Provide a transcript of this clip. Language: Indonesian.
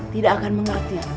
tidak akan mengerti antum